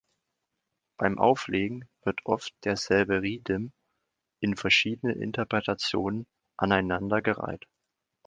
Beim Auflegen wird oft derselbe Riddim in verschiedenen Interpretationen aneinandergereiht.